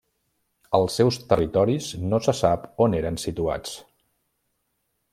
Els seus territoris no se sap on eren situats.